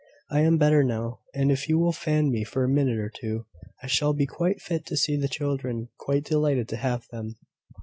"I am better now; and if you will fan me for a minute or two, I shall be quite fit to see the children quite delighted to have them."